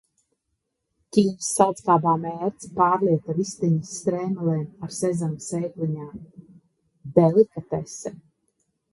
Ķīnas saldskābā mērce pārlieta vistiņas strēmelēm ar sezama sēkliņām. Delikatese.